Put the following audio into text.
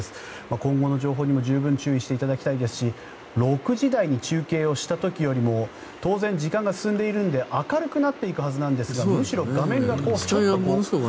今後の情報にも十分注意していただきたいですし６時台に中継をした時よりも当然時間が進んでいるので明るくなっていくはずなんですがむしろ画面がちょっと。